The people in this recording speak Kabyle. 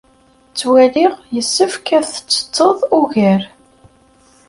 Ttwaliɣ yessefk ad tettetteḍ ugar.